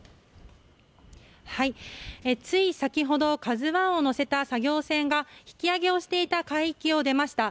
つい先ほど「ＫＡＺＵ１」を載せた作業船が引き揚げをしていた海域を出ました。